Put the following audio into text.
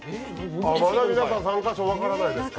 まだ皆さん、３か所分からないですか？